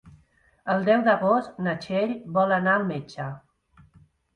El deu d'agost na Txell vol anar al metge.